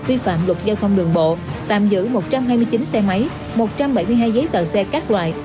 vi phạm luật giao thông đường bộ tạm giữ một trăm hai mươi chín xe máy một trăm bảy mươi hai giấy tờ xe các loại